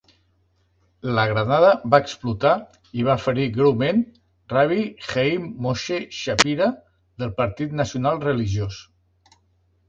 La granada va explotar i va ferir greument Rabbi Haim-Moshe Shapira del Partit Nacional Religiós.